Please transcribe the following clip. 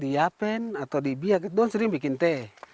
di yapen atau di biak down sering bikin teh